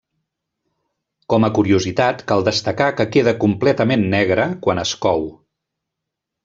Com a curiositat cal destacar que queda completament negre quan es cou.